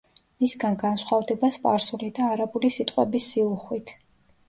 მისგან განსხვავდება სპარსული და არაბული სიტყვების სიუხვით.